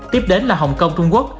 tiếp đến là hồng kông trung quốc